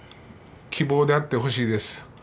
希望であってほしいです。